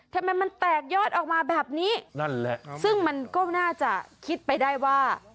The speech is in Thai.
ทำไมมันแตกยอดออกมาแบบนี้นั่นแหละซึ่งมันก็น่าจะคิดไปได้ว่า